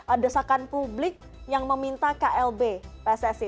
dan juga pandangan pandangan soal desakan publik yang meminta klb pssi